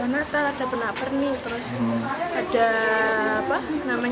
ya disini lengkap ya ada pernak pernik ada pohon natal ada pernak pernik